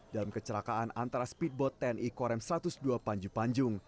dalam kecelakaan antara speedboat tni korem satu ratus dua panjupanjung